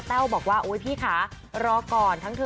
แววบอกว่าโอ๊ยพี่ค่ะรอก่อนทั้งเธอ